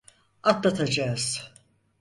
Atlatacağız.